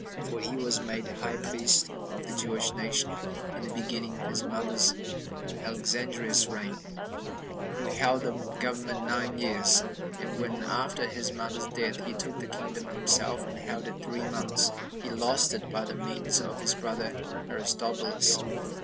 For he was made high priest of the Jewish nation in the beginning of his mother Alexandra's reign, who held the government nine years; and when, after his mother's death, he took the kingdom himself, and held it three months, he lost it, by the means of his brother Aristobulus.